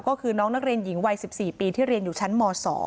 ก็คือน้องนักเรียนหญิงวัย๑๔ปีที่เรียนอยู่ชั้นม๒